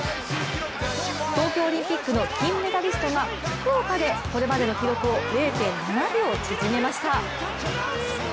東京オリンピックの金メダリストが福岡でこれまでの記録を０．７秒縮めました。